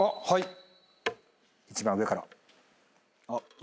はい。